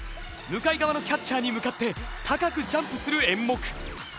向かい側のキャッチャーに向かって高くジャンプする演目。